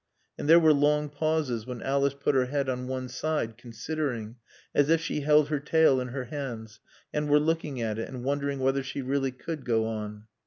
And there were long pauses when Alice put her head on one side, considering, as if she held her tale in her hands and were looking at it and wondering whether she really could go on.